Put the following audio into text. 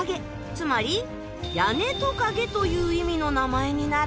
つまり屋根トカゲという意味の名前になるんです。